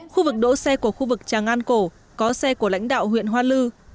khu vực đỗ xe của khu vực tràng an cổ có xe của lãnh đạo huyện hoa lư